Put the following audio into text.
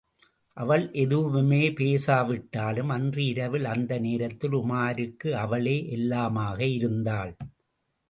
அவள் எதுவுமே பேசாவிட்டாலும், அன்று இரவில் அந்த நேரத்தில் உமாருக்கு அவளே எல்லாமாக இருந்தாள்.